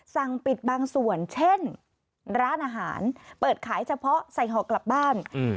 สั่งปิดบางส่วนเช่นร้านอาหารเปิดขายเฉพาะใส่ห่อกลับบ้าน